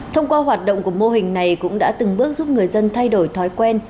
thông qua hoạt động của mô hình này cũng đã từng bước giúp người dân thay đổi thói quen